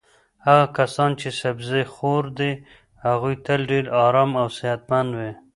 هغه کسان چې سبزي خور دي هغوی تل ډېر ارام او صحتمند وي.